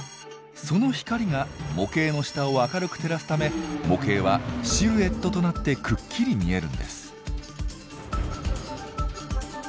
その光が模型の下を明るく照らすため模型はシルエットとなってくっきり見えるんです。